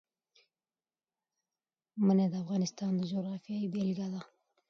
منی د افغانستان د جغرافیې بېلګه ده.